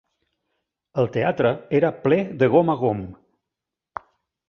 El teatre era ple de gom a gom.